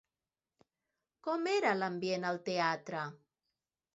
Com era l'ambient al teatre?